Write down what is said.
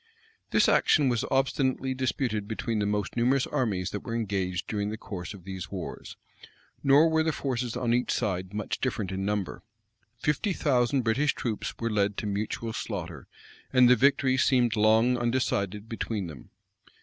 [] This action was obstinately disputed between the most numerous armies that were engaged during the course of these wars; nor were the forces on each side much different in number. Fifty thousand British troops were led to mutual slaughter; and the victory seemed long undecided between them.